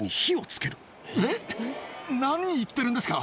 何言ってるんですか？